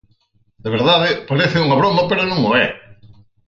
De verdade, parece unha broma pero non o é.